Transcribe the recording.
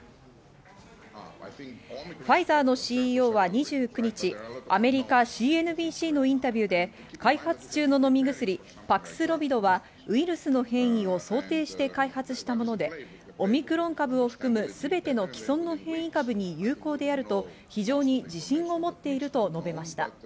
ファイザーのＣＥＯは２９日、アメリカＣＮＢＣのインタビューで開発中の飲み薬パクスロビドはウイルスの変異を想定して開発したもので、オミクロン株を含むすべての既存の変異株に有効であると非常に自信を持っていると述べました。